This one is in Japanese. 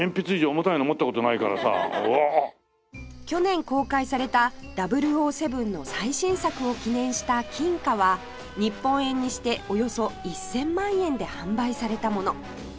去年公開された『００７』の最新作を記念した金貨は日本円にしておよそ１０００万円で販売されたもの